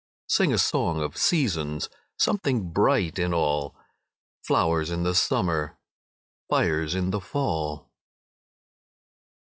Sing a song of seasons! Something bright in all! Flowers in the summer, Fires in the fall!